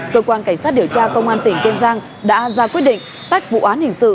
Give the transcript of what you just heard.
cơ quan cảnh sát điều tra công an tỉnh kiên giang đã ra quyết định tách vụ án hình sự